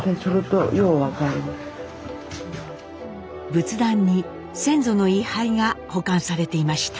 仏壇に先祖の位牌が保管されていました。